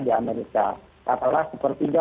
di amerika katalah sepertiga